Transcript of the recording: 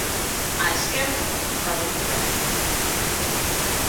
Á esquerda, o cabo Ortegal.